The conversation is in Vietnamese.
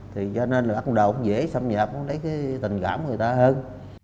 thì cho nên là bắt đầu dễ xâm nhập lấy cái tình cảm của người ta hơn